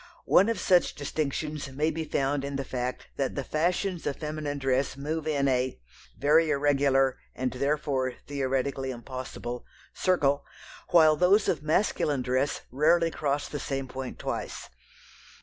One of such distinctions may be found in the fact that the fashions of feminine dress move in a (very irregular and therefore theoretically impossible) circle, while those of masculine dress rarely cross the same point twice.